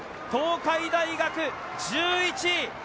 東海大学１１位。